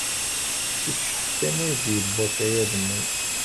S cceḥ kan ay d-yewwi akayad-nni.